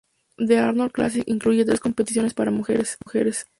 The Arnold Classic incluye tres competiciones para mujeres: Ms.